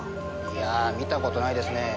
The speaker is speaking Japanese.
いや見た事ないですね。